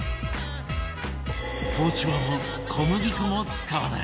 包丁も小麦粉も使わない